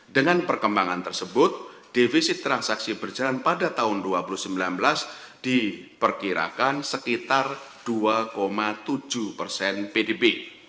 dengan perkembangan tersebut defisit transaksi berjalan pada tahun dua ribu sembilan belas diperkirakan sekitar dua tujuh persen pdb